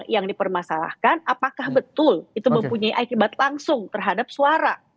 yang dipermasalahkan apakah betul itu mempunyai akibat langsung terhadap suara